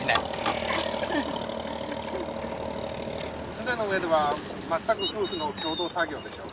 船の上では全く夫婦の共同作業でしょ？